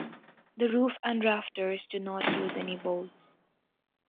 The roof and rafters do not use any bolts.